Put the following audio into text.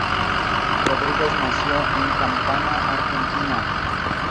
Rodríguez nació en Campana, Argentina.